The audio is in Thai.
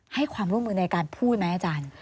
ให้ความร่วมมือในการพูดไหมอาจารย์